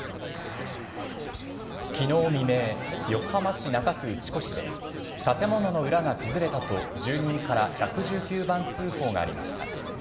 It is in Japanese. きのう未明、横浜市中区打越で、建物の裏が崩れたと住人から１１９番通報がありました。